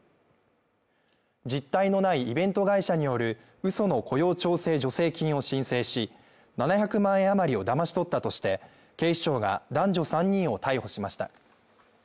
実態のないイベント会社によるうその雇用調整助成金を申請し、７００万円余りをだまし取ったとして、警視庁が男女３人を逮捕しました。